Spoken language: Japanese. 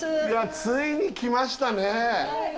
ついに来ましたね。